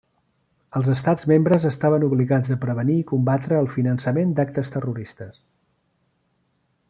Els Estats membres estaven obligats a prevenir i combatre el finançament d'actes terroristes.